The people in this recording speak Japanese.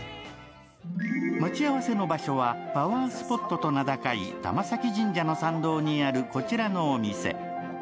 待ち合わせの場所はパワースポットと名高い玉前神社の参道にあるこちらのお店。